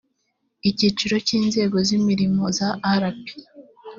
icyiciro cya inzego z imirimo za rp